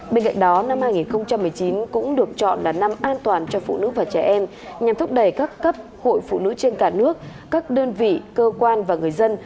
bên cạnh đó năm hai nghìn một mươi chín cũng được chọn là năm an toàn cho phụ nữ và trẻ em nhằm thúc đẩy các cấp hội phụ nữ trên cả nước các đơn vị cơ quan và người dân